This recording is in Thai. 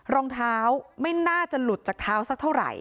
รองเท้าไม่น่าจะหลุดจากเท้าสักเท่าไหร่